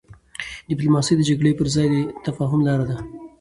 ډيپلوماسي د جګړي پر ځای د تفاهم لار ده.